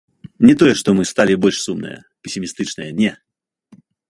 Не тое, што мы сталі больш сумныя песімістычныя, не.